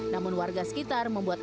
namun warga sekitar membuat